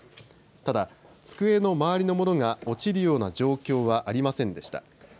ただ机の周りのものが落ちるような状況はありませんでした。